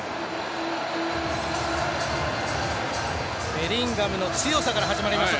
ベリンガムの強さから始まりました。